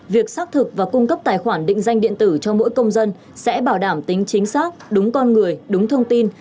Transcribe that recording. việc xác thực và cung cấp tài khoản định danh điện tử cho mỗi công dân sẽ bảo đảm tính chính xác đúng con người đúng thông tin